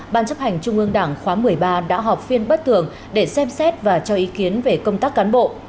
ban chấp hành trung ương đảng khóa một mươi ba đã họp phiên bất thường để xem xét và cho ý kiến về công tác cán bộ